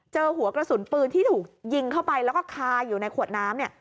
เจอหัวกระสุนปืนที่ถูกยิงเข้าไปแล้วก็คาอยู่ในขวดน้ำเนี่ย